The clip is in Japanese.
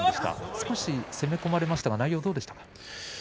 少し攻め込まれましたが内容はどうでしたか。